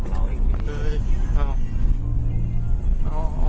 แล้ว